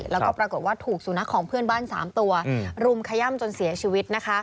และปรากฏว่าถูกสู่นักของเพื่อนบ้าน๓ตัวรุมเขยั่มจนเสียชีวิต